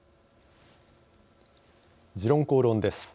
「時論公論」です。